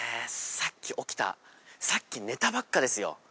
さっき起きたさっき寝たばっかですよ